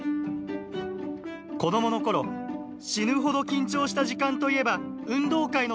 「子どもの頃死ぬほど緊張した時間といえば運動会の短距離走」。